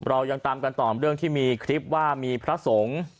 เรายังตามกันต่อเรื่องที่มีคลิปว่ามีพระสงฆ์